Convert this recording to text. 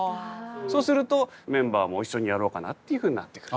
そうするとメンバーも一緒にやろうかなっていうふうになってくる。